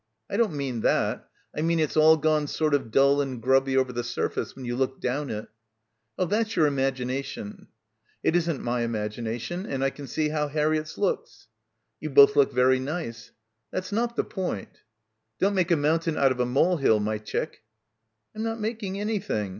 "I don't mean that. I mean it's all gone sort of dull and grubby over the surface when you look down it." "Oh, that's your imagination." "It isn't my imagination and I can see how Harriett's looks." — 24 — BACKWATER "You both look very nice." "That's not the point." "Don't make a mountain out of a molehill, my chick." "I'm not making anything.